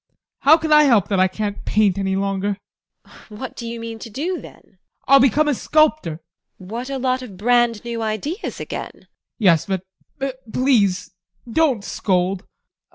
How can I help it that I can't paint any longer! TEKLA. What do you mean to do then? ADOLPH. I'll become a sculptor. TEKLA. What a lot of brand new ideas again! ADOLPH. Yes, but please don't scold!